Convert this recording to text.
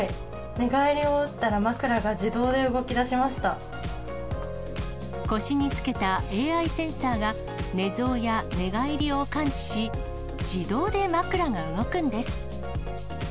寝返りを打ったら、腰に付けたＡＩセンサーが、寝相や寝返りを感知し、自動で枕が動くんです。